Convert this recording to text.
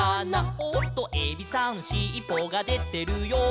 「おっとエビさんしっぽがでてるよ」